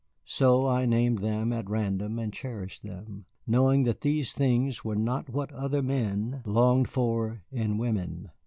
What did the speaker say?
So I named them at random and cherished them, knowing that these things were not what other men longed for in women.